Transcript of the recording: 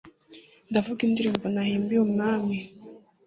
ndavuga indirimbo nahimbiye umwami